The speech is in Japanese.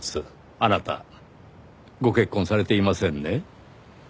あなたご結婚されていませんね？